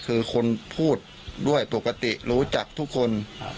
คือคนพูดด้วยปกติรู้จักทุกคน